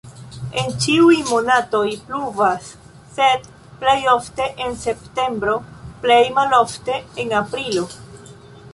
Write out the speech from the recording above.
En ĉiuj monatoj pluvas, sed plej ofte en septembro, plej malofte en aprilo.